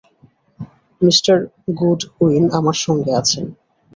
Me Goodwin আমার সঙ্গে আছেন।